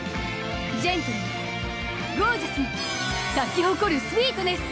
ジェントルにゴージャスに咲き誇るスウィートネス！